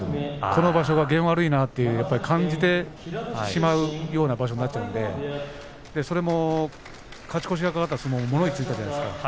この場所が験が悪いなと感じてしまうような場所になってしまうので勝ち越しが懸かった相撲に物言いがあったじゃないですか。